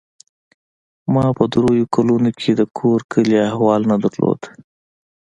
ما په دې درېو کلونو د کور کلي احوال نه درلود.